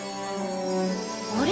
あれ？